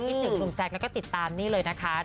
คิดถึงกลุ่มแจ๊คแล้วก็ติดตามนี้เลยนะคะ